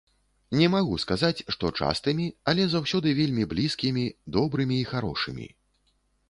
Не магу сказаць, што частымі, але заўсёды вельмі блізкімі, добрымі і харошымі.